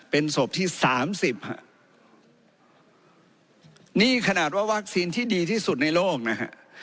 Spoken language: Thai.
เป็นศพที่สามสิบฮะนี่ขนาดว่าวัคซีนที่ดีที่สุดในโลกนะฮะ